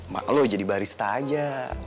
mak lo jadi barista aja